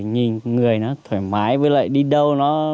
nhìn người nó thoải mái với lại đi đâu nó